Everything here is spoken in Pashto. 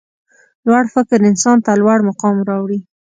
لوړ فکر انسان ته لوړ مقام راوړي.